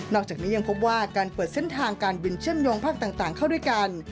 อกจากนี้ยังพบว่าการเปิดเส้นทางการบินเชื่อมโยงภาคต่างเข้าด้วยกัน